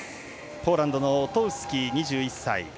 ポーランド、オトウスキ、２１歳。